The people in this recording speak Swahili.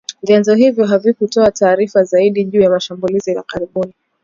Vyanzo hivyo havikutoa taarifa zaidi juu ya shambulizi la karibuni